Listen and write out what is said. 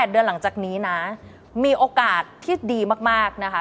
เดือนหลังจากนี้นะมีโอกาสที่ดีมากนะคะ